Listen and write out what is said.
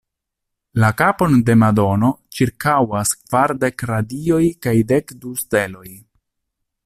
La kapon de Madono ĉirkaŭas kvardek radioj kaj dek du steloj.